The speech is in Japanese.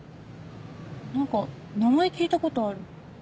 何か名前聞いたことある。